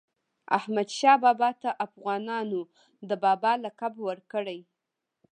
احمدشاه بابا ته افغانانو د "بابا" لقب ورکړی.